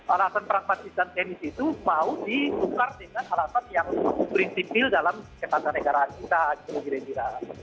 alasan pragmatis dan teknis itu mau disukar dengan alasan yang prinsipil dalam kepentingan negara kita